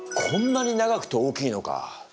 こんなに長くて大きいのか！